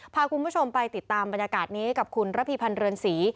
พาคุณผู้ชมไปติดตามบรรยากาศนี้กับคุณระพีพันธ์เรือนศรี